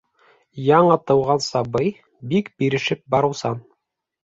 Яңы тыуған сабый бик бирешеп барыусан.